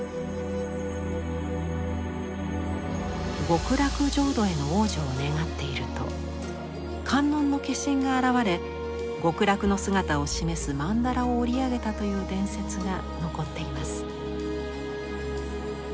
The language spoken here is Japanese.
極楽浄土への往生を願っていると観音の化身が現れ極楽の姿を示す曼荼羅を織り上げたという伝説が残っています。